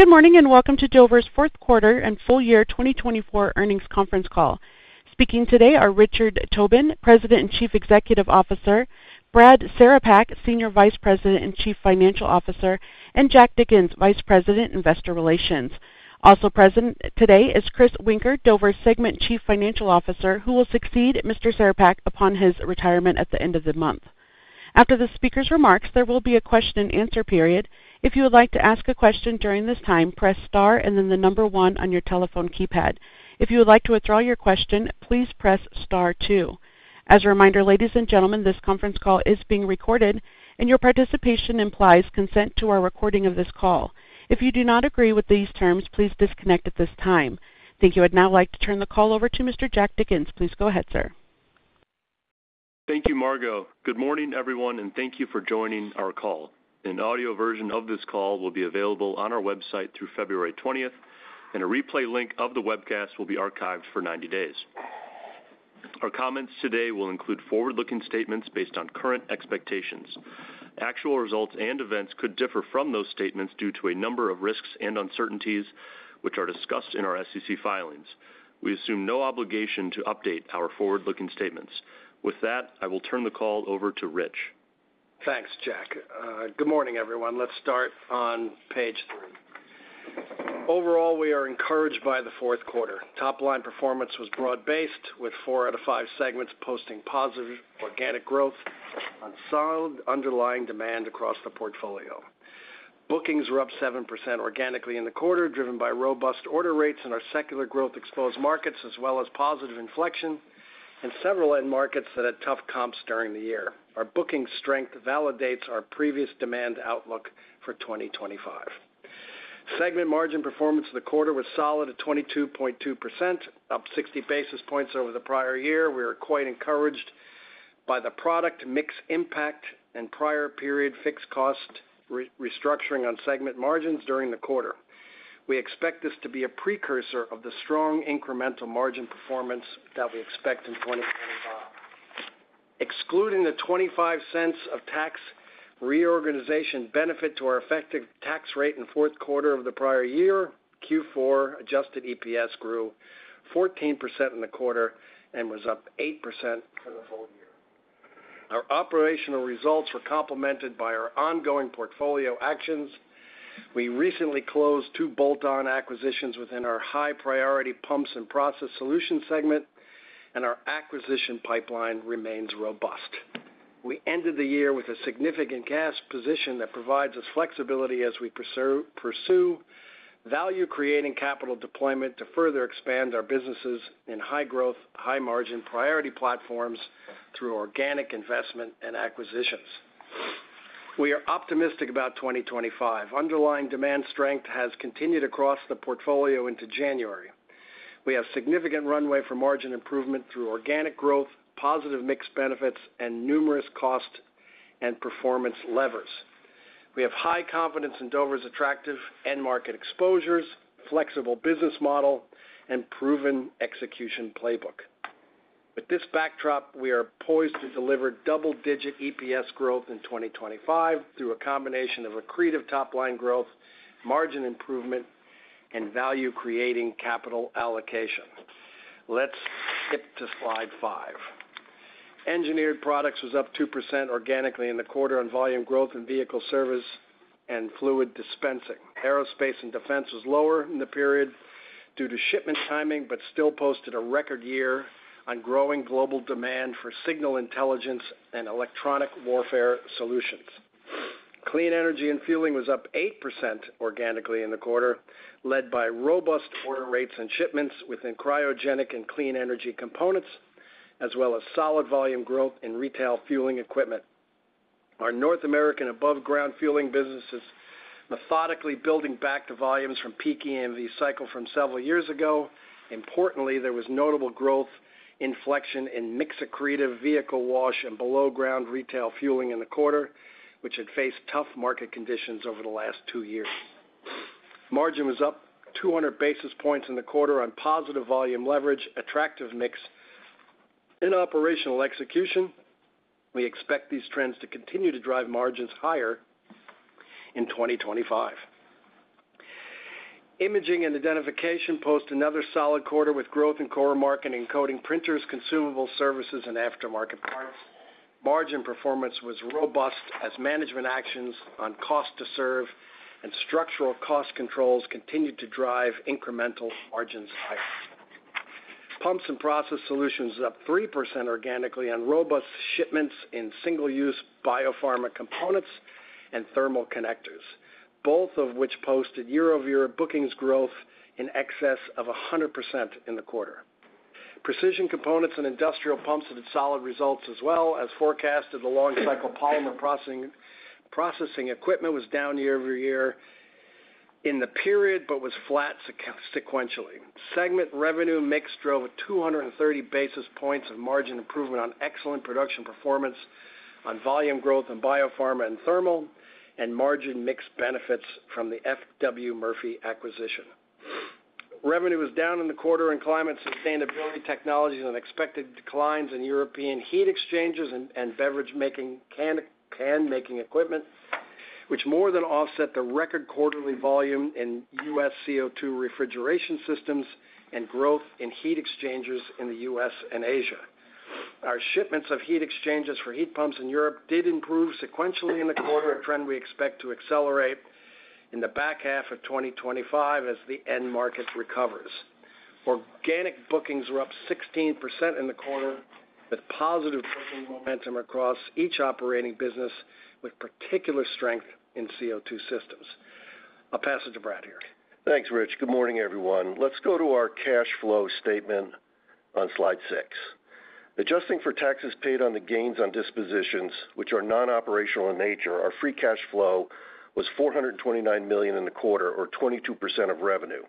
Good morning and welcome to Dover's fourth quarter and full year 2024 earnings conference call. Speaking today are Richard Tobin, President and Chief Executive Officer, Brad Cerepak, Senior Vice President and Chief Financial Officer, and Jack Dickens, Vice President, Investor Relations. Also present today is Chris Winker, Dover's Segment Chief Financial Officer, who will succeed Mr. Cerepak upon his retirement at the end of the month. After the speaker's remarks, there will be a question and answer period. If you would like to ask a question during this time, press star and then the number one on your telephone keypad. If you would like to withdraw your question, please press star two. As a reminder, ladies and gentlemen, this conference call is being recorded, and your participation implies consent to our recording of this call. If you do not agree with these terms, please disconnect at this time. Thank you. I'd now like to turn the call over to Mr. Jack Dickens. Please go ahead, sir. Thank you, Margo. Good morning, everyone, and thank you for joining our call. An audio version of this call will be available on our website through February 20th, and a replay link of the webcast will be archived for 90 days. Our comments today will include forward-looking statements based on current expectations. Actual results and events could differ from those statements due to a number of risks and uncertainties which are discussed in our SEC filings. We assume no obligation to update our forward-looking statements. With that, I will turn the call over to Rich. Thanks, Jack. Good morning, everyone. Let's start on page three. Overall, we are encouraged by the fourth quarter. Top-line performance was broad-based, with four out of five segments posting positive organic growth on solid underlying demand across the portfolio. Bookings were up 7% organically in the quarter, driven by robust order rates in our secular growth-exposed markets, as well as positive inflection in several end markets that had tough comps during the year. Our booking strength validates our previous demand outlook for 2025. Segment margin performance of the quarter was solid at 22.2%, up 60 basis points over the prior year. We are quite encouraged by the product mix impact and prior period fixed cost restructuring on segment margins during the quarter. We expect this to be a precursor of the strong incremental margin performance that we expect in 2025. Excluding the $0.25 of tax reorganization benefit to our effective tax rate in the fourth quarter of the prior year, Q4 adjusted EPS grew 14% in the quarter and was up 8% for the full year. Our operational results were complemented by our ongoing portfolio actions. We recently closed two bolt-on acquisitions within our high-priority Pumps and Process Solutions segment, and our acquisition pipeline remains robust. We ended the year with a significant cash position that provides us flexibility as we pursue value-creating capital deployment to further expand our businesses in high-growth, high-margin priority platforms through organic investment and acquisitions. We are optimistic about 2025. Underlying demand strength has continued across the portfolio into January. We have significant runway for margin improvement through organic growth, positive mix benefits, and numerous cost and performance levers. We have high confidence in Dover's attractive end market exposures, flexible business model, and proven execution playbook. With this backdrop, we are poised to deliver double-digit EPS growth in 2025 through a combination of accretive top-line growth, margin improvement, and value-creating capital allocation. Let's skip to slide five. Engineered Products was up 2% organically in the quarter on volume growth in vehicle service and fluid dispensing. Aerospace and defense was lower in the period due to shipment timing, but still posted a record year on growing global demand for signal intelligence and electronic warfare solutions. Clean Energy & Fueling was up 8% organically in the quarter, led by robust order rates and shipments within cryogenic and clean energy components, as well as solid volume growth in retail fueling equipment. Our North American above-ground fueling business is methodically building back to volumes from peak EMV cycle from several years ago. Importantly, there was notable growth inflection in mix accretive vehicle wash and below-ground retail fueling in the quarter, which had faced tough market conditions over the last two years. Margin was up 200 basis points in the quarter on positive volume leverage, attractive mix, and operational execution. We expect these trends to continue to drive margins higher in 2025. Imaging and Identification posted another solid quarter with growth in core market encoding printers, consumable services, and aftermarket parts. Margin performance was robust as management actions on cost to serve and structural cost controls continued to drive incremental margins higher. Pumps and Process Solutions up 3% organically on robust shipments in single-use biopharma components and thermal connectors, both of which posted year-over-year bookings growth in excess of 100% in the quarter. Precision components and industrial pumps had solid results as well as forecasted. The long-cycle polymer processing equipment was down year-over-year in the period but was flat sequentially. Segment revenue mix drove 230 basis points of margin improvement on excellent production performance on volume growth in biopharma and thermal and margin mix benefits from the FW Murphy acquisition. Revenue was down in the quarter in Climate & Sustainability Technologies and expected declines in European heat exchangers and beverage-making can-making equipment, which more than offset the record quarterly volume in U.S. CO2 refrigeration systems and growth in heat exchangers in the U.S. and Asia. Our shipments of heat exchangers for heat pumps in Europe did improve sequentially in the quarter, a trend we expect to accelerate in the back half of 2025 as the end market recovers. Organic bookings were up 16% in the quarter with positive booking momentum across each operating business, with particular strength in CO2 systems. I'll pass it to Brad here. Thanks, Rich. Good morning, everyone. Let's go to our cash flow statement on slide six. Adjusting for taxes paid on the gains on dispositions, which are non-operational in nature, our free cash flow was $429 million in the quarter, or 22% of revenue.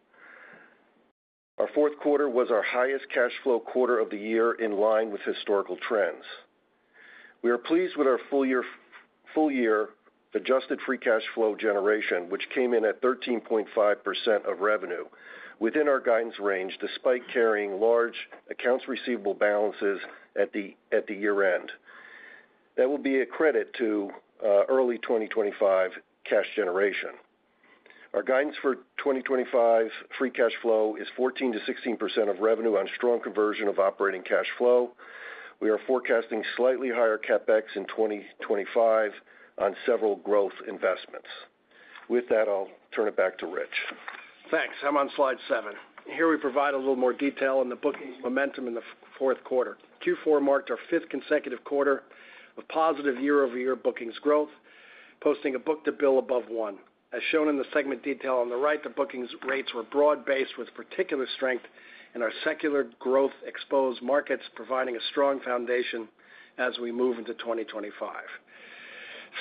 Our fourth quarter was our highest cash flow quarter of the year in line with historical trends. We are pleased with our full-year adjusted free cash flow generation, which came in at 13.5% of revenue within our guidance range, despite carrying large accounts receivable balances at the year-end. That will be a credit to early 2025 cash generation. Our guidance for 2025 free cash flow is 14%-16% of revenue on strong conversion of operating cash flow. We are forecasting slightly higher CapEx in 2025 on several growth investments. With that, I'll turn it back to Rich. Thanks. I'm on slide seven. Here we provide a little more detail on the bookings momentum in the fourth quarter. Q4 marked our fifth consecutive quarter of positive year-over-year bookings growth, posting a book-to-bill above one. As shown in the segment detail on the right, the bookings rates were broad-based with particular strength in our secular growth-exposed markets, providing a strong foundation as we move into 2025.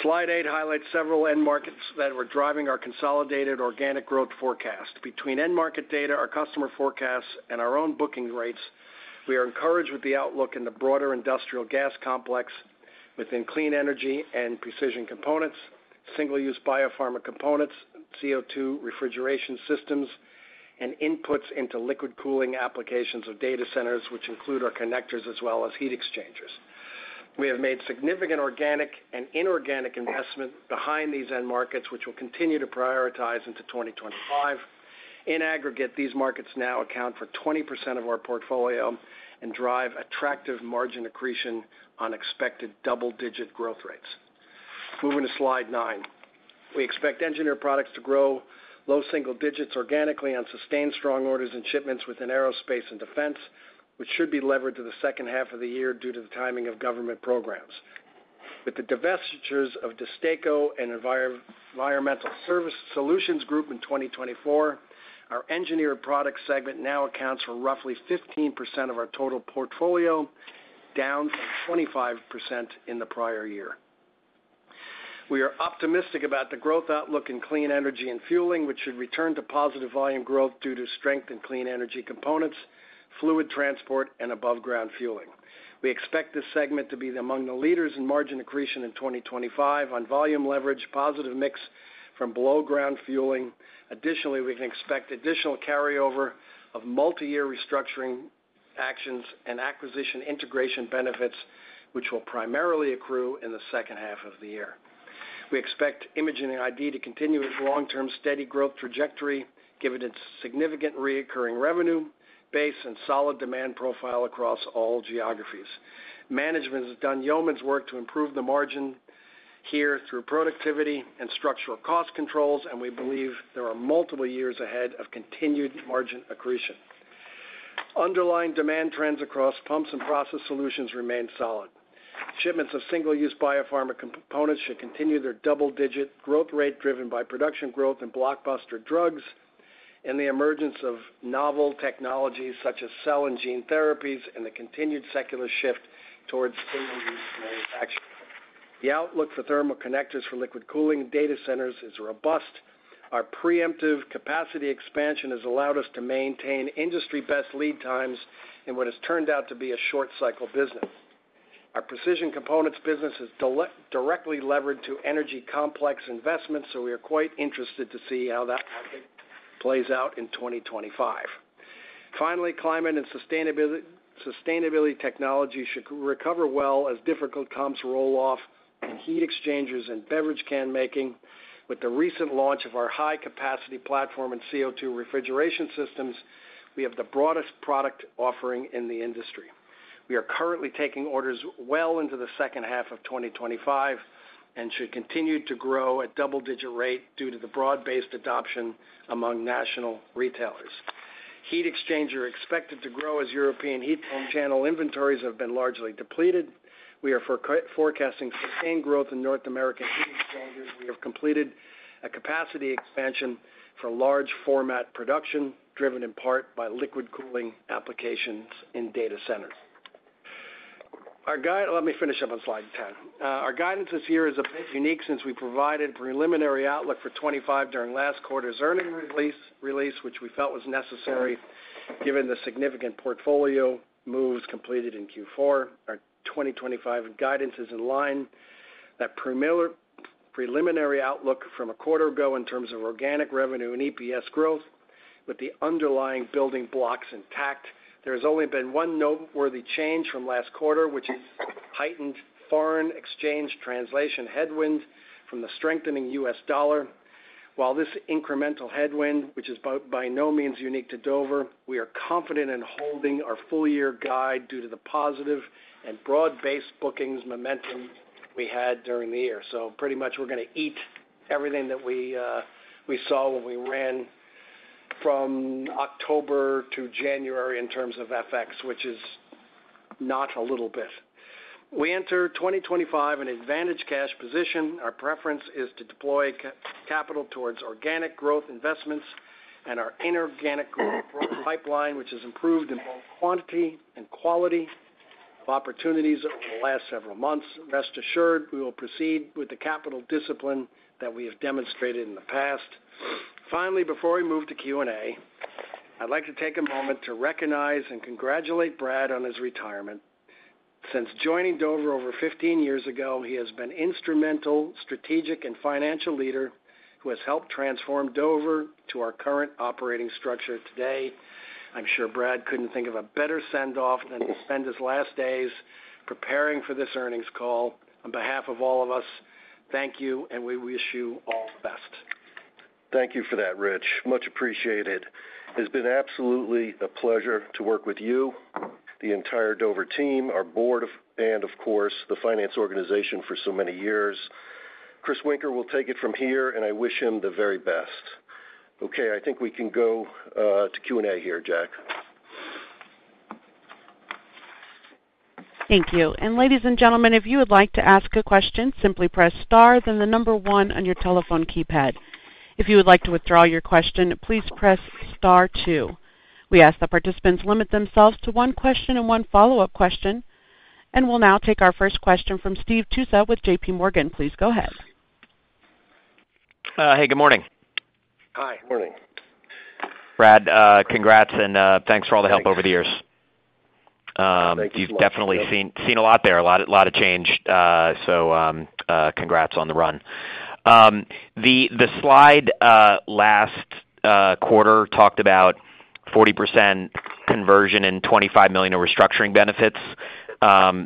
Slide eight highlights several end markets that were driving our consolidated organic growth forecast. Between end market data, our customer forecasts, and our own booking rates, we are encouraged with the outlook in the broader industrial gas complex within clean energy and precision components, single-use biopharma components, CO2 refrigeration systems, and inputs into liquid cooling applications of data centers, which include our connectors as well as heat exchangers. We have made significant organic and inorganic investment behind these end markets, which will continue to prioritize into 2025. In aggregate, these markets now account for 20% of our portfolio and drive attractive margin accretion on expected double-digit growth rates. Moving to slide nine, we expect Engineered Products to grow low single digits organically on sustained strong orders and shipments within aerospace and defense, which should be levered to the second half of the year due to the timing of government programs. With the divestitures of Destaco and Environmental Solutions Group in 2024, our Engineered Products segment now accounts for roughly 15% of our total portfolio, down from 25% in the prior year. We are optimistic about the growth outlook in clean energy and fueling, which should return to positive volume growth due to strength in clean energy components, fluid transport, and above-ground fueling. We expect this segment to be among the leaders in margin accretion in 2025 on volume leverage, positive mix from below-ground fueling. Additionally, we can expect additional carryover of multi-year restructuring actions and acquisition integration benefits, which will primarily accrue in the second half of the year. We expect Imaging & ID to continue its long-term steady growth trajectory, given its significant recurring revenue base and solid demand profile across all geographies. Management has done yeoman's work to improve the margin here through productivity and structural cost controls, and we believe there are multiple years ahead of continued margin accretion. Underlying demand trends across Pumps & Process Solutions remain solid. Shipments of single-use biopharma components should continue their double-digit growth rate driven by production growth in blockbuster drugs and the emergence of novel technologies such as cell and gene therapies and the continued secular shift towards single-use manufacturing. The outlook for thermal connectors for liquid cooling data centers is robust. Our preemptive capacity expansion has allowed us to maintain industry-best lead times in what has turned out to be a short-cycle business. Our precision components business is directly levered to energy complex investments, so we are quite interested to see how that plays out in 2025. Finally, climate & sustainability technology should recover well as difficult comps roll off in heat exchangers and beverage can making. With the recent launch of our high-capacity platform and CO2 refrigeration systems, we have the broadest product offering in the industry. We are currently taking orders well into the second half of 2025 and should continue to grow at double-digit rate due to the broad-based adoption among national retailers. Heat exchangers are expected to grow as European heat pump channel inventories have been largely depleted. We are forecasting sustained growth in North American heat exchangers. We have completed a capacity expansion for large-format production driven in part by liquid cooling applications in data centers. Let me finish up on slide 10. Our guidance this year is a bit unique since we provided preliminary outlook for 2025 during last quarter's earnings release, which we felt was necessary given the significant portfolio moves completed in Q4. Our 2025 guidance is in line with that preliminary outlook from a quarter ago in terms of organic revenue and EPS growth, with the underlying building blocks intact. There has only been one noteworthy change from last quarter, which is heightened foreign exchange translation headwind from the strengthening U.S. dollar. While this incremental headwind, which is by no means unique to Dover, we are confident in holding our full-year guide due to the positive and broad-based bookings momentum we had during the year. So pretty much we're going to eat everything that we saw when we ran from October to January in terms of FX, which is not a little bit. We enter 2025 in advantageous cash position. Our preference is to deploy capital towards organic growth investments and our inorganic growth pipeline, which has improved in both quantity and quality of opportunities over the last several months. Rest assured, we will proceed with the capital discipline that we have demonstrated in the past. Finally, before we move to Q&A, I'd like to take a moment to recognize and congratulate Brad on his retirement. Since joining Dover over 15 years ago, he has been an instrumental strategic and financial leader who has helped transform Dover to our current operating structure today. I'm sure Brad couldn't think of a better send-off than to spend his last days preparing for this earnings call. On behalf of all of us, thank you, and we wish you all the best. Thank you for that, Rich. Much appreciated. It has been absolutely a pleasure to work with you, the entire Dover team, our board, and of course, the finance organization for so many years. Chris Winker will take it from here, and I wish him the very best. Okay, I think we can go to Q&A here, Jack. Thank you. And ladies and gentlemen, if you would like to ask a question, simply press star, then the number one on your telephone keypad. If you would like to withdraw your question, please press star two. We ask that participants limit themselves to one question and one follow-up question. And we'll now take our first question from Stephen Tusa with J.P. Morgan. Please go ahead. Hey, good morning. Hi, good morning. Brad, congrats and thanks for all the help over the years. Thank you. You've definitely seen a lot there, a lot of change. So congrats on the run. The slide last quarter talked about 40% conversion and $25 million of restructuring benefits.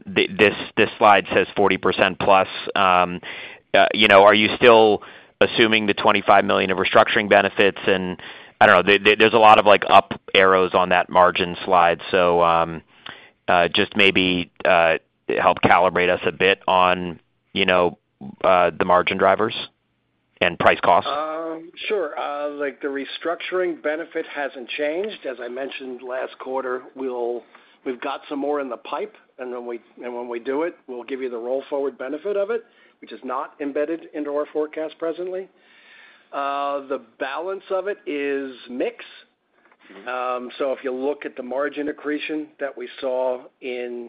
This slide says 40% plus. Are you still assuming the $25 million of restructuring benefits? And I don't know, there's a lot of up arrows on that margin slide. So just maybe help calibrate us a bit on the margin drivers and price cost. Sure. The restructuring benefit hasn't changed. As I mentioned last quarter, we've got some more in the pipe, and when we do it, we'll give you the roll-forward benefit of it, which is not embedded into our forecast presently. The balance of it is mix, so if you look at the margin accretion that we saw in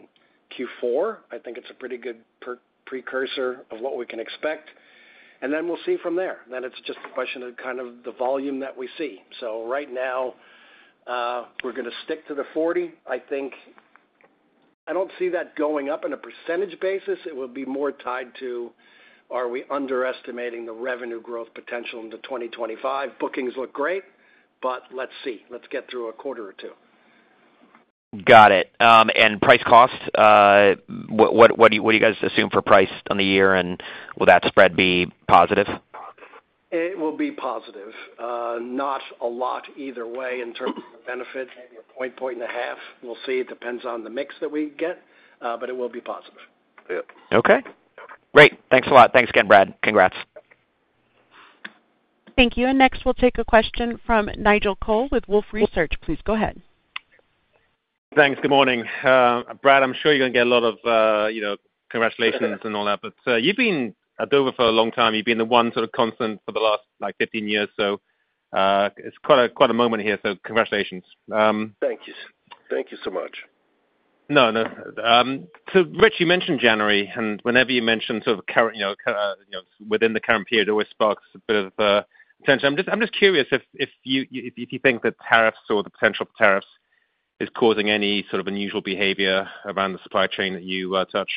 Q4, I think it's a pretty good precursor of what we can expect, and then we'll see from there, then it's just a question of kind of the volume that we see, so right now, we're going to stick to the 40%. I don't see that going up on a percentage basis. It would be more tied to, are we underestimating the revenue growth potential in 2025? Bookings look great, but let's see. Let's get through a quarter or two. Got it. And price cost? What do you guys assume for price on the year? And will that spread be positive? It will be positive. Not a lot either way in terms of benefit, maybe a point, point and a half. We'll see. It depends on the mix that we get, but it will be positive. Okay. Great. Thanks a lot. Thanks again, Brad. Congrats. Thank you. And next, we'll take a question from Nigel Coe with Wolfe Research. Please go ahead. Thanks. Good morning. Brad, I'm sure you're going to get a lot of congratulations and all that. But you've been at Dover for a long time. You've been the one sort of constant for the last 15 years. So it's quite a moment here. So congratulations. Thank you. Thank you so much. No, no. So, Rich, you mentioned January. And whenever you mentioned sort of within the current period, it always sparks a bit of attention. I'm just curious if you think that tariffs or the potential for tariffs is causing any sort of unusual behavior around the supply chain that you touch.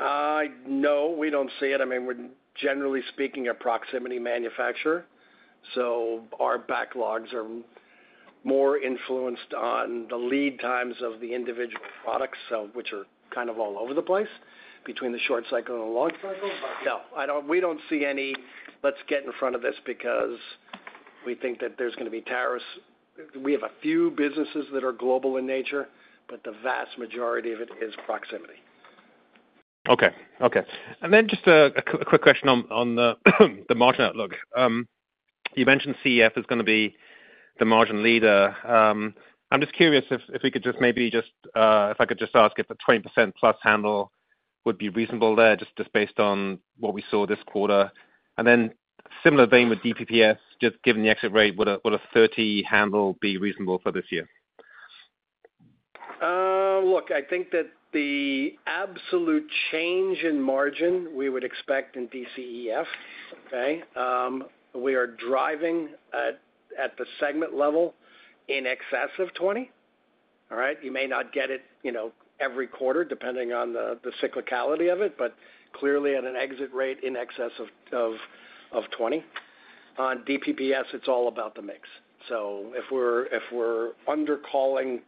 No, we don't see it. I mean, we're generally speaking a proximity manufacturer. So our backlogs are more influenced on the lead times of the individual products, which are kind of all over the place between the short cycle and the long cycle. But no, we don't see any let's get in front of this because we think that there's going to be tariffs. We have a few businesses that are global in nature, but the vast majority of it is proximity. Okay. Okay. And then just a quick question on the margin outlook. You mentioned CEF is going to be the margin leader. I'm just curious if we could just maybe just if I could just ask if a 20% plus handle would be reasonable there, just based on what we saw this quarter. And then similar vein with DPPS, just given the exit rate, would a 30 handle be reasonable for this year? Look, I think that the absolute change in margin we would expect in DCEF, okay, we are driving at the segment level in excess of 20%. All right? You may not get it every quarter depending on the cyclicality of it, but clearly at an exit rate in excess of 20%. On DPPS, it's all about the mix. So if we're undercalling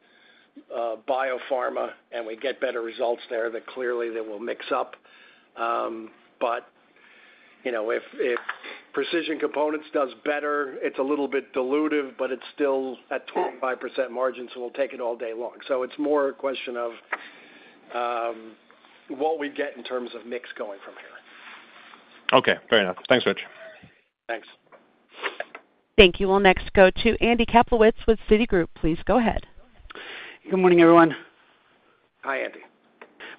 biopharma and we get better results there, then clearly they will mix up. But if precision components do better, it's a little bit dilutive, but it's still at 25% margin, so we'll take it all day long. So it's more a question of what we get in terms of mix going from here. Okay. Fair enough. Thanks, Rich. Thanks. Thank you. We'll next go to Andrew Kaplowitz with Citigroup. Please go ahead. Good morning, everyone. Hi, Andy.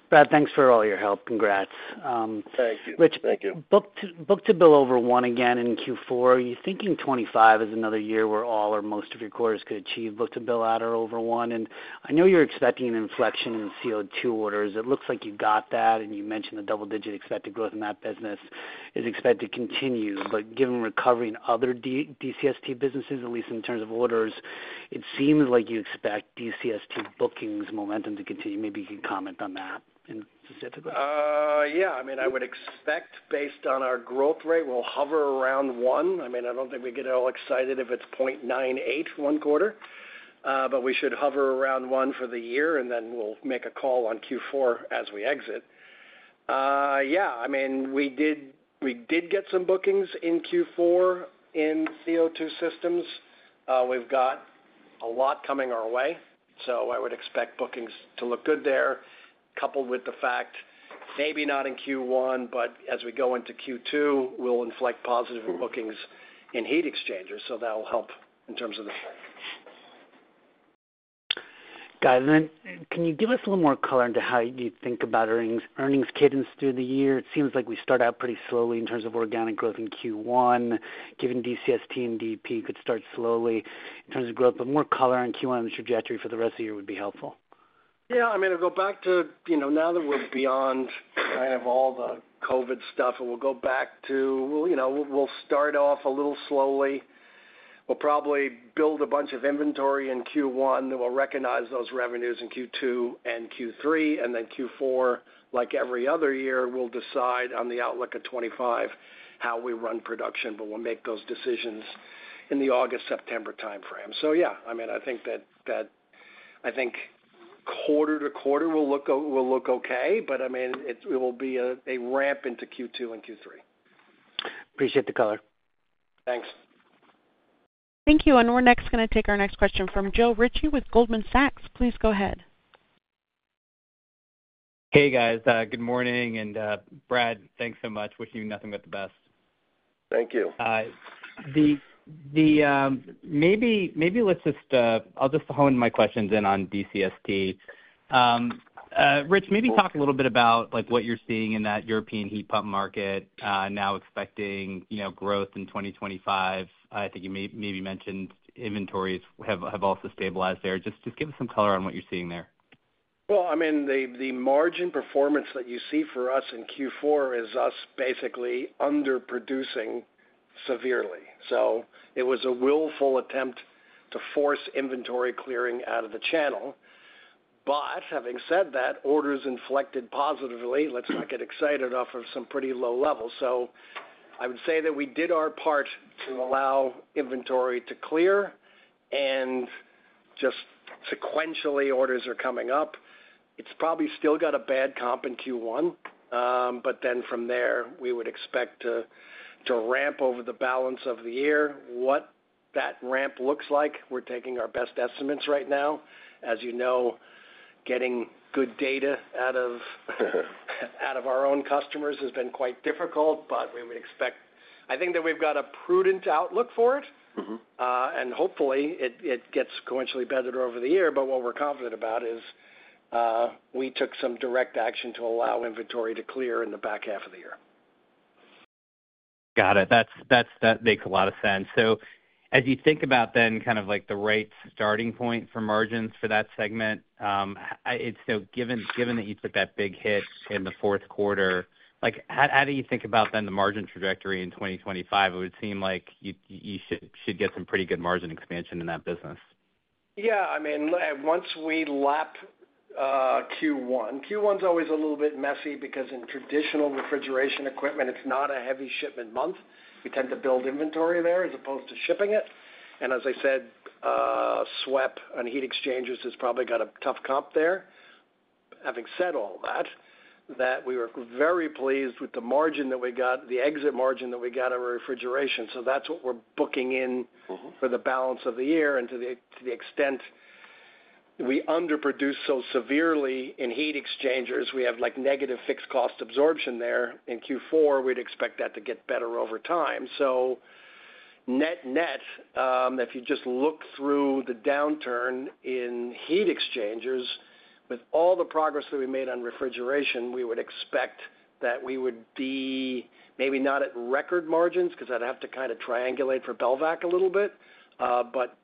Brad, thanks for all your help. Congrats. Thank you. Thank you. Book-to-bill over one again in Q4. You're thinking 25 is another year where all or most of your quarters could achieve book-to-bill at or over one. And I know you're expecting an inflection in CO2 orders. It looks like you got that. And you mentioned the double-digit expected growth in that business is expected to continue. But given recovery in other DCST businesses, at least in terms of orders, it seems like you expect DCST bookings momentum to continue. Maybe you can comment on that specifically? Yeah. I mean, I would expect based on our growth rate, we'll hover around one. I mean, I don't think we get all excited if it's 0.98 one quarter. But we should hover around one for the year, and then we'll make a call on Q4 as we exit. Yeah. I mean, we did get some bookings in Q4 in CO2 systems. We've got a lot coming our way. So I would expect bookings to look good there, coupled with the fact maybe not in Q1, but as we go into Q2, we'll inflect positive in bookings in heat exchangers. So that will help in terms of the. Guy, can you give us a little more color into how you think about earnings cadence through the year? It seems like we start out pretty slowly in terms of organic growth in Q1. Given DCST and DP could start slowly in terms of growth, but more color on Q1 and the trajectory for the rest of the year would be helpful. Yeah. I mean, I'll go back to now that we're beyond kind of all the COVID stuff, and we'll go back to start off a little slowly. We'll probably build a bunch of inventory in Q1. We'll recognize those revenues in Q2 and Q3. And then Q4, like every other year, we'll decide on the outlook of 2025 how we run production. But we'll make those decisions in the August, September timeframe. So yeah, I mean, I think that quarter to quarter will look okay. But I mean, it will be a ramp into Q2 and Q3. Appreciate the color. Thanks. Thank you, and we're next going to take our next question fromJoe Ritchie with Goldman Sachs. Please go ahead. Hey, guys. Good morning, and Brad, thanks so much. Wishing you nothing but the best. Thank you. Maybe let's just hone my questions in on DCST. Rich, maybe talk a little bit about what you're seeing in that European heat pump market, now expecting growth in 2025. I think you maybe mentioned inventories have also stabilized there. Just give us some color on what you're seeing there. Well, I mean, the margin performance that you see for us in Q4 is us basically underproducing severely. So it was a willful attempt to force inventory clearing out of the channel. But having said that, orders inflected positively. Let's not get excited off of some pretty low level. So I would say that we did our part to allow inventory to clear. And just sequentially, orders are coming up. It's probably still got a bad comp in Q1. But then from there, we would expect to ramp over the balance of the year. What that ramp looks like, we're taking our best estimates right now. As you know, getting good data out of our own customers has been quite difficult. But we would expect, I think, that we've got a prudent outlook for it. And hopefully, it gets sequentially better over the year. But what we're confident about is we took some direct action to allow inventory to clear in the back half of the year. Got it. That makes a lot of sense, so as you think about then kind of the right starting point for margins for that segment, so given that you took that big hit in the fourth quarter, how do you think about then the margin trajectory in 2025? It would seem like you should get some pretty good margin expansion in that business. Yeah. I mean, once we lap Q1, Q1 is always a little bit messy because in traditional refrigeration equipment, it's not a heavy shipment month. We tend to build inventory there as opposed to shipping it. And as I said, SWEP and heat exchangers has probably got a tough comp there. Having said all that, we were very pleased with the margin that we got, the exit margin that we got out of refrigeration. So that's what we're booking in for the balance of the year. And to the extent we underproduce so severely in heat exchangers, we have negative fixed cost absorption there. In Q4, we'd expect that to get better over time. So net net, if you just look through the downturn in heat exchangers, with all the progress that we made on refrigeration, we would expect that we would be maybe not at record margins because I'd have to kind of triangulate for Belvac a little bit. But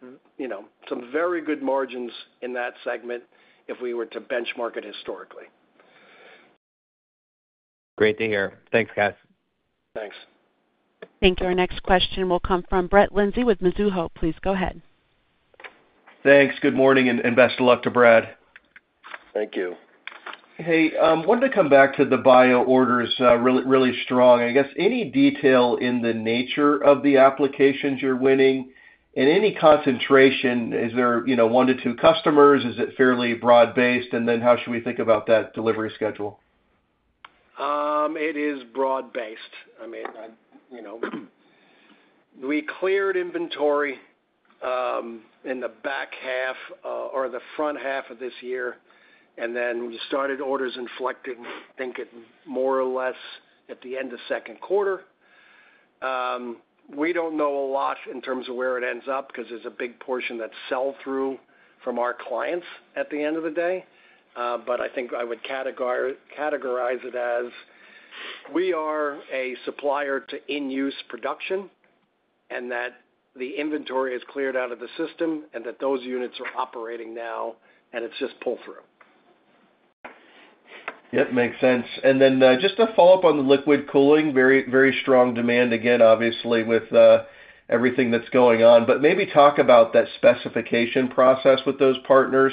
some very good margins in that segment if we were to benchmark it historically. Great to hear. Thanks, guys. Thanks. Thank you. Our next question will come from Brett Linzey with Mizuho. Please go ahead. Thanks. Good morning and best of luck to Brad. Thank you. Hey, I wanted to come back to the bio orders really strong. I guess any detail in the nature of the applications you're winning and any concentration? Is there one to two customers? Is it fairly broad-based? And then how should we think about that delivery schedule? It is broad-based. I mean, we cleared inventory in the back half or the front half of this year, and then we started orders inflecting, I think, more or less at the end of second quarter. We don't know a lot in terms of where it ends up because there's a big portion that's sell-through from our clients at the end of the day, but I think I would categorize it as we are a supplier to in-use production and that the inventory is cleared out of the system and that those units are operating now and it's just pull-through. Yep. Makes sense. And then, just to follow up on the liquid cooling, very strong demand again, obviously, with everything that's going on. But maybe talk about that specification process with those partners.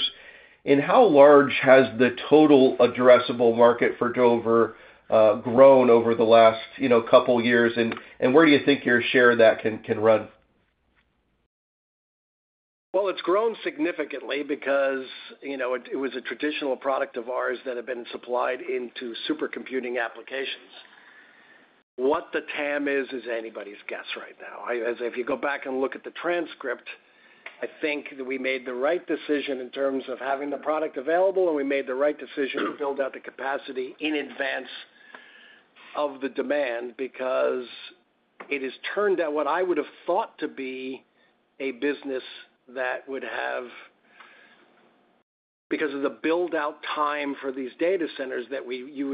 And how large has the total addressable market for Dover grown over the last couple of years? And where do you think your share of that can run? It's grown significantly because it was a traditional product of ours that had been supplied into supercomputing applications. What the TAM is, is anybody's guess right now. If you go back and look at the transcript, I think that we made the right decision in terms of having the product available, and we made the right decision to build out the capacity in advance of the demand because it has turned out what I would have thought to be a business that would have because of the build-out time for these data centers that you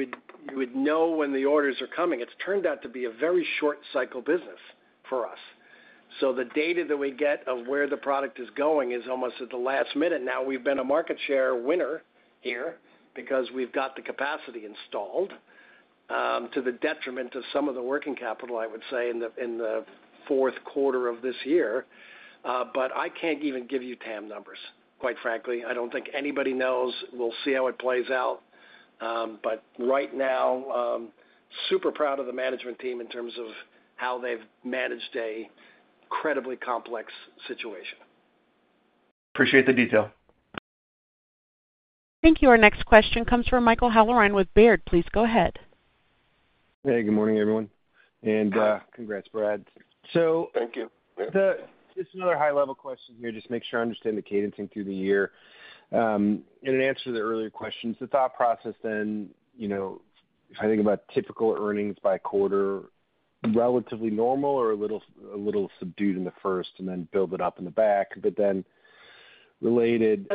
would know when the orders are coming. It's turned out to be a very short-cycle business for us. So the data that we get of where the product is going is almost at the last minute. Now we've been a market share winner here because we've got the capacity installed to the detriment of some of the working capital, I would say, in the fourth quarter of this year, but I can't even give you TAM numbers, quite frankly. I don't think anybody knows. We'll see how it plays out, but right now, super proud of the management team in terms of how they've managed an incredibly complex situation. Appreciate the detail. Thank you. Our next question comes from Michael Halloran with Baird. Please go ahead. Hey, good morning, everyone. Congrats, Brad. So. Thank you. Just another high-level question here. Just make sure I understand the cadence through the year. In an answer to the earlier questions, the thought process then, if I think about typical earnings by quarter, relatively normal or a little subdued in the first and then build it up in the back. But then related.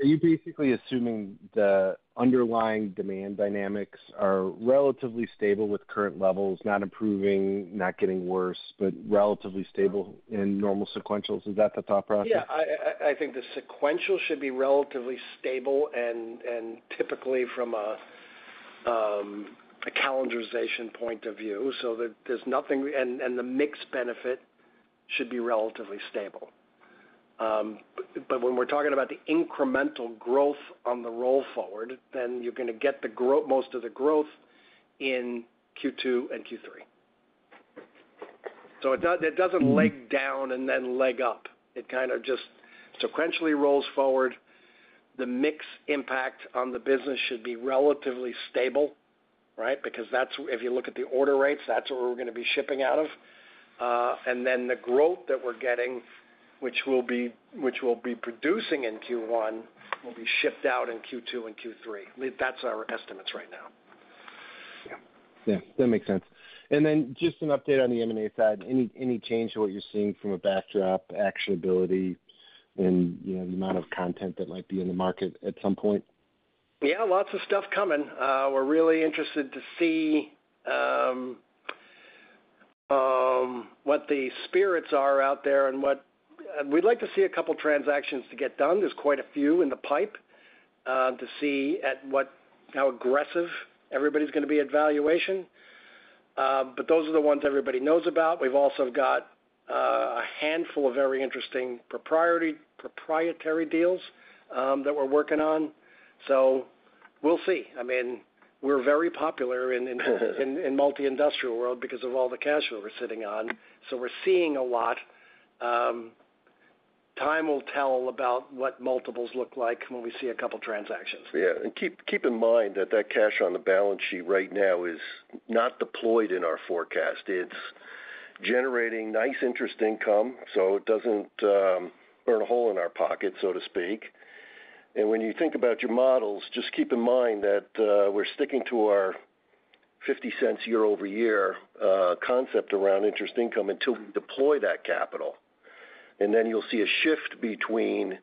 Are you basically assuming the underlying demand dynamics are relatively stable with current levels, not improving, not getting worse, but relatively stable in normal sequentials? Is that the thought process? Yeah. I think the sequential should be relatively stable and typically from a calendarization point of view, so that there's nothing and the mixed benefit should be relatively stable. But when we're talking about the incremental growth on the roll forward, then you're going to get most of the growth in Q2 and Q3. So it doesn't leg down and then leg up. It kind of just sequentially rolls forward. The mixed impact on the business should be relatively stable, right? Because if you look at the order rates, that's what we're going to be shipping out of. And then the growth that we're getting, which we'll be producing in Q1, will be shipped out in Q2 and Q3. That's our estimates right now. Yeah. That makes sense. And then just an update on the M&A side, any change to what you're seeing from a backdrop, actionability, and the amount of content that might be in the market at some point? Yeah. Lots of stuff coming. We're really interested to see what the appetites are out there and what we'd like to see a couple of transactions to get done. There's quite a few in the pipe to see how aggressive everybody's going to be at valuation. But those are the ones everybody knows about. We've also got a handful of very interesting proprietary deals that we're working on. So we'll see. I mean, we're very popular in the multi-industrial world because of all the cash that we're sitting on. So we're seeing a lot. Time will tell about what multiples look like when we see a couple of transactions. Yeah. And keep in mind that that cash on the balance sheet right now is not deployed in our forecast. It's generating nice interest income so it doesn't burn a hole in our pocket, so to speak. And when you think about your models, just keep in mind that we're sticking to our $0.50 year-over-year concept around interest income until we deploy that capital. And then you'll see a shift between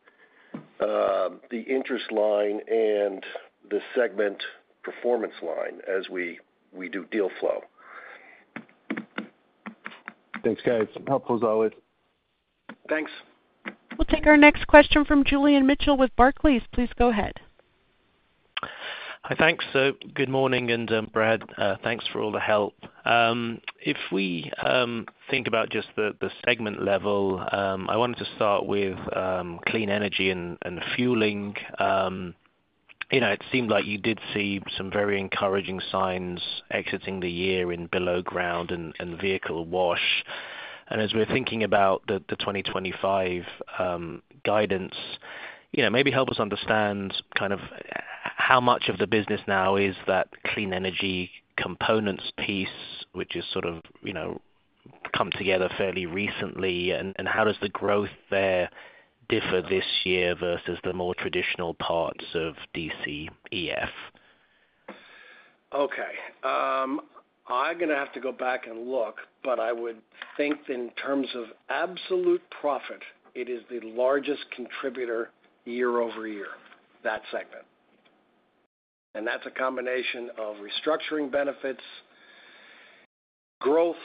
the interest line and the segment performance line as we do deal flow. Thanks, guys. Helpful as always. Thanks. We'll take our next question from Julian Mitchell with Barclays. Please go ahead. Hi, thanks. Good morning. And Brad, thanks for all the help. If we think about just the segment level, I wanted to start with Clean Energy and Fueling. It seemed like you did see some very encouraging signs exiting the year in below ground and vehicle wash. And as we're thinking about the 2025 guidance, maybe help us understand kind of how much of the business now is that clean energy components piece, which has sort of come together fairly recently. And how does the growth there differ this year versus the more traditional parts of DCEF? Okay. I'm going to have to go back and look. But I would think in terms of absolute profit, it is the largest contributor year-over-year, that segment. And that's a combination of restructuring benefits, growth,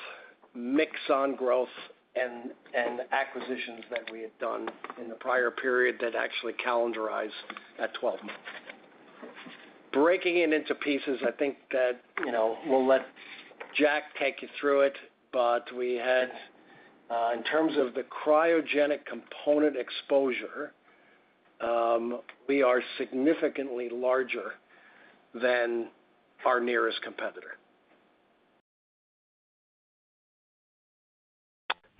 mix-on-growth, and acquisitions that we had done in the prior period that actually calendarized at 12 months. Breaking it into pieces, I think that we'll let Jack take you through it. But in terms of the cryogenic component exposure, we are significantly larger than our nearest competitor.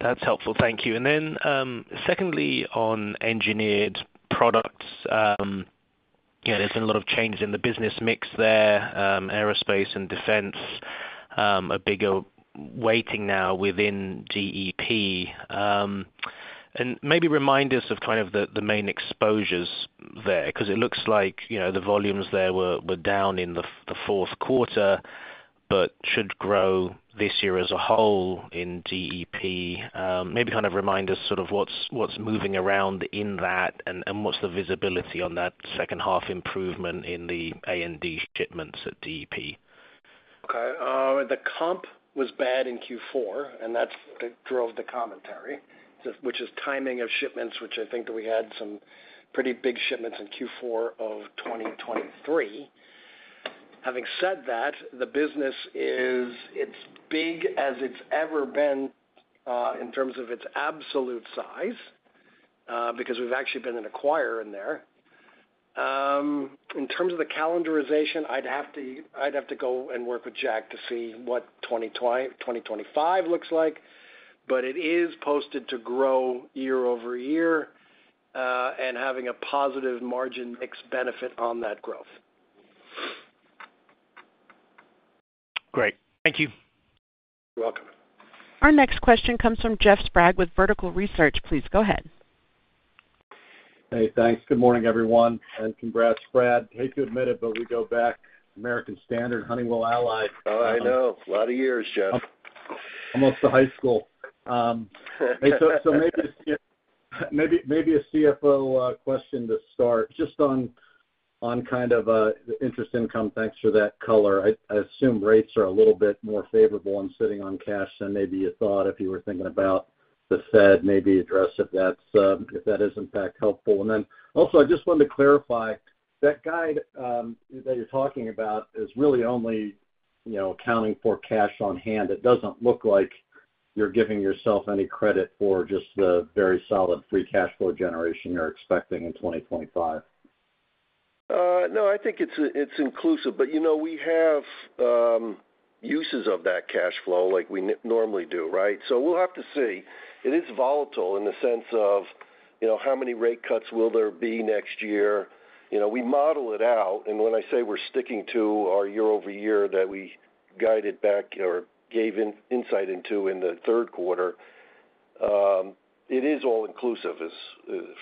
That's helpful. Thank you. And then secondly, on Engineered Products, there's been a lot of changes in the business mix there, Aerospace and Defense, a bigger weighting now within DEP. And maybe remind us of kind of the main exposures there because it looks like the volumes there were down in the fourth quarter but should grow this year as a whole in DEP. Maybe kind of remind us sort of what's moving around in that and what's the visibility on that second-half improvement in the A&D shipments at DEP? Okay. The comp was bad in Q4, and that drove the commentary, which is timing of shipments, which I think that we had some pretty big shipments in Q4 of 2023. Having said that, the business is as big as it's ever been in terms of its absolute size because we've actually been an acquirer in there. In terms of the calendarization, I'd have to go and work with Jack to see what 2025 looks like. But it is posted to grow year-over-year and having a positive margin mixed benefit on that growth. Great. Thank you. You're welcome. Our next question comes from Jeffrey Sprague with Vertical Research. Please go ahead. Hey, thanks. Good morning, everyone. And congrats, Brad. Hate to admit it, but we go back to American Standard, Honeywell, Allied. Oh, I know. A lot of years, Jeff. Almost to high school, so maybe a CFO question to start just on kind of interest income. Thanks for that color. I assume rates are a little bit more favorable on sitting on cash than maybe you thought if you were thinking about the Fed. Maybe address if that is, in fact, helpful, and then also I just wanted to clarify that guide that you're talking about is really only accounting for cash on hand. It doesn't look like you're giving yourself any credit for just the very solid free cash flow generation you're expecting in 2025. No, I think it's inclusive. But we have uses of that cash flow like we normally do, right? So we'll have to see. It is volatile in the sense of how many rate cuts will there be next year? We model it out. And when I say we're sticking to our year-over-year that we guided back or gave insight into in the third quarter, it is all inclusive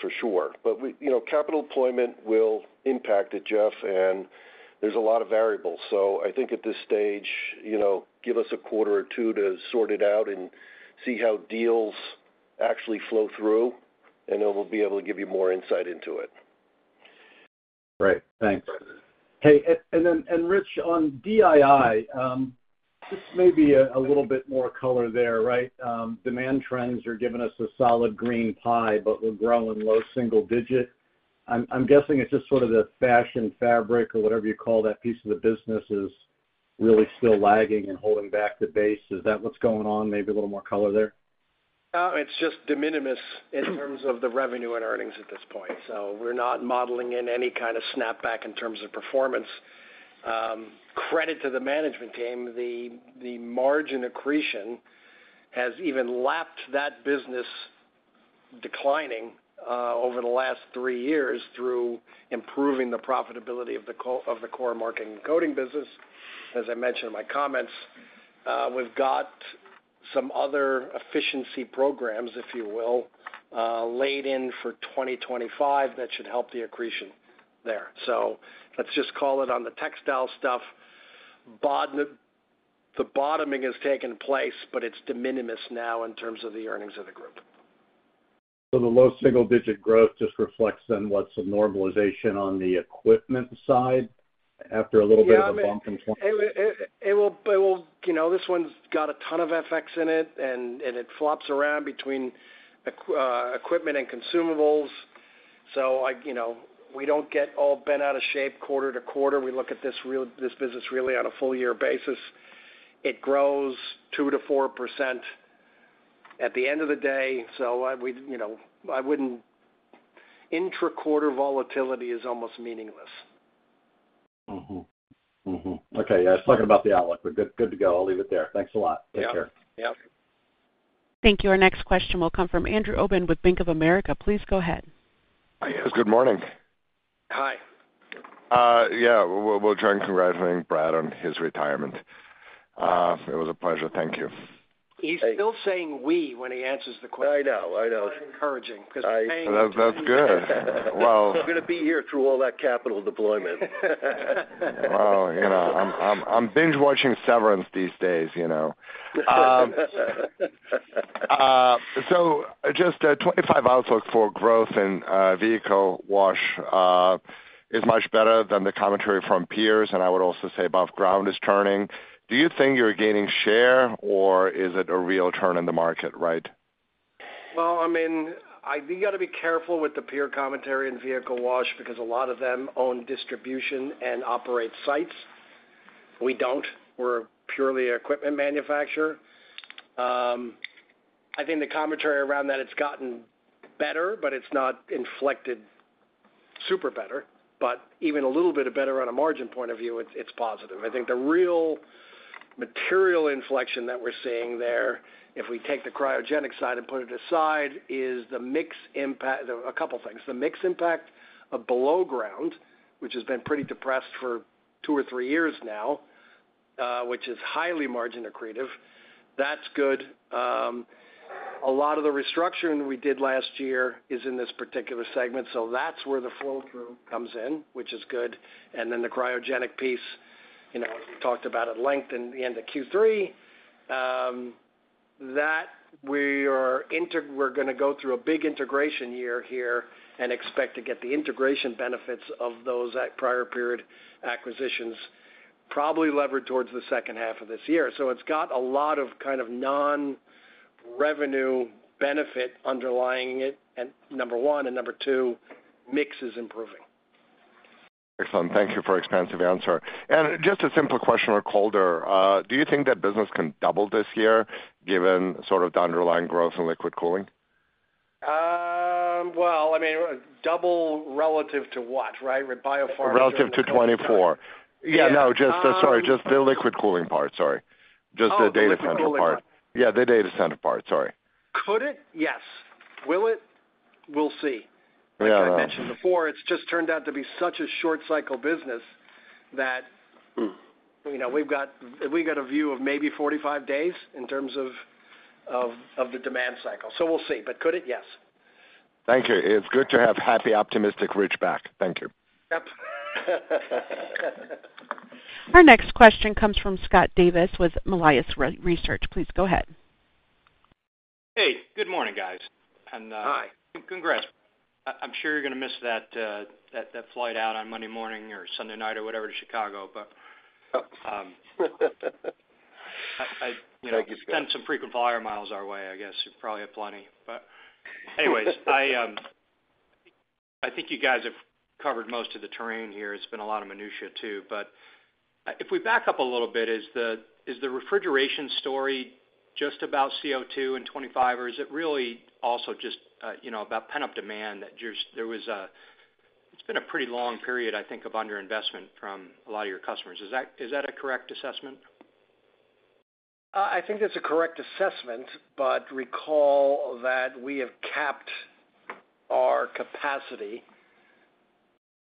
for sure. But capital deployment will impact it, Jeff. And there's a lot of variables. So I think at this stage, give us a quarter or two to sort it out and see how deals actually flow through, and then we'll be able to give you more insight into it. Great. Thanks. Hey, and Rich, on DII, just maybe a little bit more color there, right? Demand trends are giving us a solid green light, but we're growing low single digit. I'm guessing it's just sort of the fashion fabric or whatever you call that piece of the business is really still lagging and holding back the base. Is that what's going on? Maybe a little more color there? It's just de minimis in terms of the revenue and earnings at this point. So we're not modeling in any kind of snapback in terms of performance. Credit to the management team, the margin accretion has even lapped that business declining over the last three years through improving the profitability of the core marking and coding business. As I mentioned in my comments, we've got some other efficiency programs, if you will, laid in for 2025 that should help the accretion there. So let's just call it on the textile stuff. The bottoming has taken place, but it's de minimis now in terms of the earnings of the group. The low single-digit growth just reflects then what's the normalization on the equipment side after a little bit of a bump in 2025? It will. This one's got a ton of FX in it, and it flops around between equipment and consumables. So we don't get all bent out of shape quarter to quarter. We look at this business really on a full-year basis. It grows 2%-4% at the end of the day. So I wouldn't. Intra-quarter volatility is almost meaningless. Okay. Yeah. I was talking about the outlook, but good to go. I'll leave it there. Thanks a lot. Take care. Yeah. Yeah. Thank you. Our next question will come from Andrew Obin with Bank of America. Please go ahead. Hi. Yes. Good morning. Hi. Yeah. We'll join congratulating Brad on his retirement. It was a pleasure. Thank you. He's still saying we when he answers the question. I know. I know. It's encouraging because paying him. That's good, well. He's going to be here through all that capital deployment. Wow. I'm binge-watching Severance these days, so just a 25 outlook for growth in vehicle wash is much better than the commentary from peers, and I would also say above ground is turning. Do you think you're gaining share, or is it a real turn in the market, right? I mean, you got to be careful with the peer commentary in vehicle wash because a lot of them own distribution and operate sites. We don't. We're purely an equipment manufacturer. I think the commentary around that. It's gotten better, but it's not inflected super better. But even a little bit better on a margin point of view, it's positive. I think the real material inflection that we're seeing there, if we take the cryogenic side and put it aside, is the mixed impact of a couple of things. The mixed impact of below ground, which has been pretty depressed for two or three years now, which is highly margin accretive. That's good. A lot of the restructuring we did last year is in this particular segment. So that's where the flow through comes in, which is good. And then the cryogenic piece, as we talked about at length in the end of Q3, that we are going to go through a big integration year here and expect to get the integration benefits of those prior period acquisitions probably levered towards the second half of this year. So it's got a lot of kind of non-revenue benefit underlying it. And number one, and number two, mix is improving. Excellent. Thank you for the expansive answer. And just a simple follow-up question. Do you think that business can double this year given sort of the underlying growth in liquid cooling? I mean, double relative to what, right? With biopharma? Relative to 2024. Yeah. No, just sorry. Just the liquid cooling part. Sorry. Just the data center part. Liquid cooling part. Yeah. The data center part. Sorry. Could it? Yes. Will it? We'll see. As I mentioned before, it's just turned out to be such a short-cycle business that we've got a view of maybe 45 days in terms of the demand cycle. So we'll see. But could it? Yes. Thank you. It's good to have happy, optimistic Rich back. Thank you. Yep. Our next question comes from Scott Davis with Melius Research. Please go ahead. Hey. Good morning, guys. And congrats. I'm sure you're going to miss that flight out on Monday morning or Sunday night or whatever to Chicago. But I spent some frequent flyer miles our way, I guess. You probably have plenty. But anyways, I think you guys have covered most of the terrain here. It's been a lot of minutiae too. But if we back up a little bit, is the refrigeration story just about CO2 in '25, or is it really also just about pent-up demand that there was. It's been a pretty long period, I think, of underinvestment from a lot of your customers. Is that a correct assessment? I think that's a correct assessment, but recall that we have capped our capacity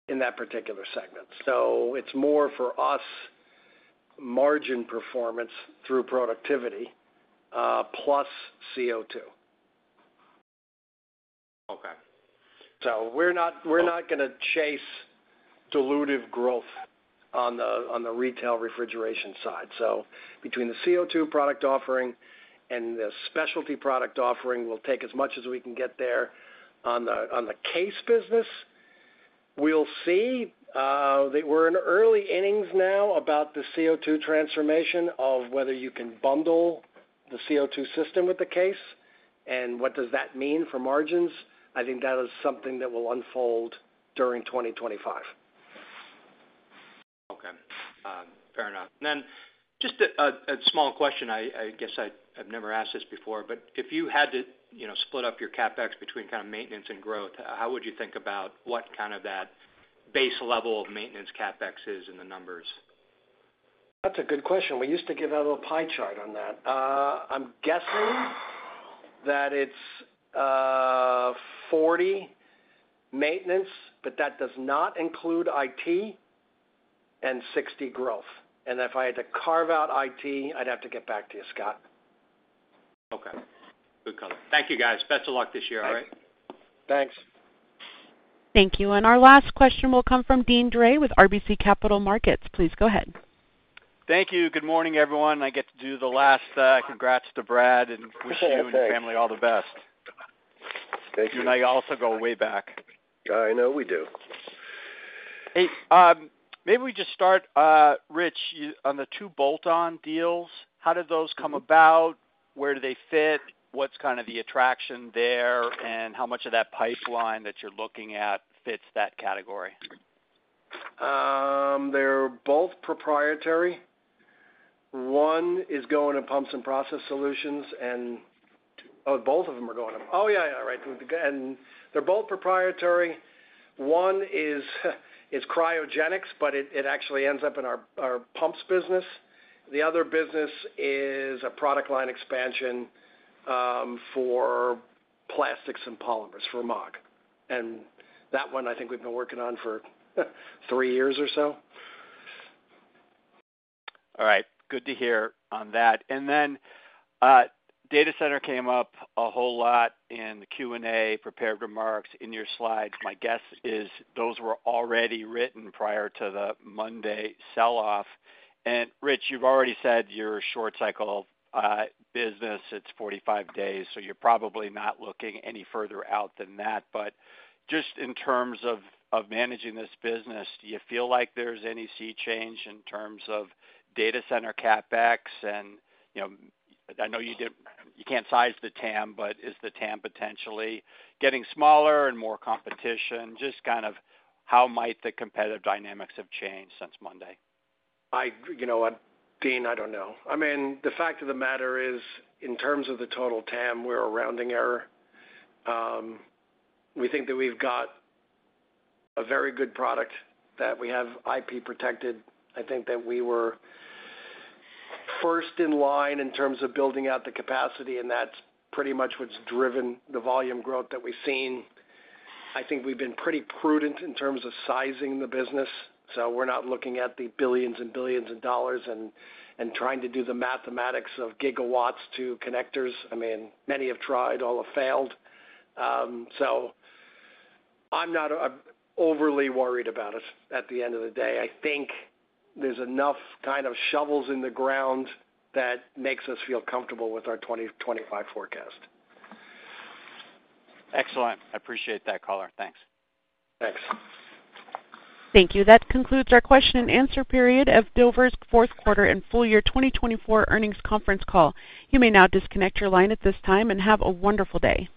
in that particular segment. So it's more for us margin performance through productivity plus CO2.We're not going to chase dilutive growth on the retail refrigeration side. Between the CO2 product offering and the specialty product offering, we'll take as much as we can get there. On the case business, we'll see. We're in early innings now about the CO2 transformation of whether you can bundle the CO2 system with the case and what does that mean for margins.I think that is something that will unfold during 2025. Okay. Fair enough. Then just a small question. I guess I've never asked this before, but if you had to split up your CapEx between kind of maintenance and growth, how would you think about what kind of that base level of maintenance CapEx is in the numbers? That's a good question. We used to give out a pie chart on that. I'm guessing that it's 40 maintenance, but that does not include IT and 60 growth. And if I had to carve out IT, I'd have to get back to you, Scott. Okay. Good color. Thank you, guys. Best of luck this year, all right? Thanks. Thank you. And our last question will come from Deane Dray with RBC Capital Markets. Please go ahead. Thank you. Good morning, everyone. I get to do the last congrats to Brad, and wish you and your family all the best. You and I also go way back. I know we do. Hey. Maybe we just start, Rich, on the two bolt-on deals. How did those come about? Where do they fit? What's kind of the attraction there? And how much of that pipeline that you're looking at fits that category? They're both proprietary. One is going to Pumps and Process Solutions, and both of them are going to—oh, yeah, yeah. Right. And they're both proprietary. One is cryogenics, but it actually ends up in our pumps business. The other business is a product line expansion for plastics and polymers for Maag. And that one, I think we've been working on for three years or so. All right. Good to hear on that. And then data center came up a whole lot in the Q&A prepared remarks in your slides. My guess is those were already written prior to the Monday selloff. And Rich, you've already said your short-cycle business. It's 45 days. So you're probably not looking any further out than that. But just in terms of managing this business, do you feel like there's any sea change in terms of data center CapEx? And I know you can't size the TAM, but is the TAM potentially getting smaller and more competition? Just kind of how might the competitive dynamics have changed since Monday? I don't know. I mean, the fact of the matter is, in terms of the total TAM, we're a rounding error. We think that we've got a very good product that we have IP protected. I think that we were first in line in terms of buildi ng out the capacity, and that's pretty much what's driven the volume growth that we've seen. I think we've been pretty prudent in terms of sizing the business. So we're not looking at the billions and billions of dollars and trying to do the mathematics of gigawatts to connectors. I mean, many have tried. All have failed. So I'm not overly worried about it. At the end of the day, I think there's enough kind of shovels in the ground that makes us feel comfortable with our 2025 forecast. Excellent. I appreciate that, Caller. Thanks. Thank you. That concludes our question and answer period of Dover's fourth quarter and full year 2024 earnings conference call. You may now disconnect your line at this time and have a wonderful day.